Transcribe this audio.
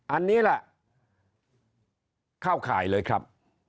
อันนี้แหละเข้าข่ายเลยครับ